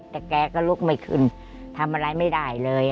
แต่แกก็ลุกไม่ขึ้นทำอะไรไม่ได้เลย